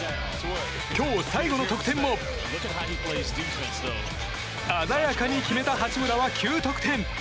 今日最後の得点も鮮やかに決めた八村は９得点。